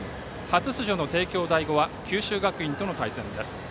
初出場の帝京第五は九州学院との対戦です。